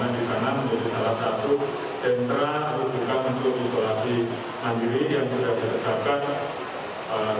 karena di sana menjadi salah satu sentra untuk isolasi mandiri yang sudah disesatkan